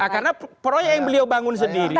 karena proyek yang beliau bangun sendiri